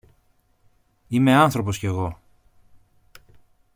Είμαι άνθρωπος κι εγώ!